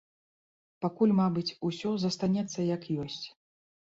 Пакуль, мабыць, усё застанецца, як ёсць.